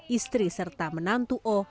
istri serta menantu o